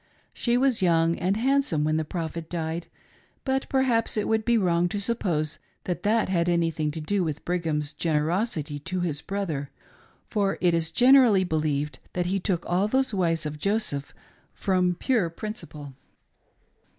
She was young and handsome when the Prophet died, but perhaps it would be wrong to suppose that that had anything to do with Brigham's generosity to his brother, for it is generally believed that he took all those wives of Joseph, from pure principle.